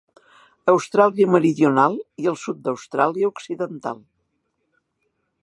Austràlia Meridional i el sud d'Austràlia Occidental.